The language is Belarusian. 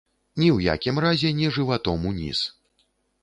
Ні ў якім разе не жыватом уніз.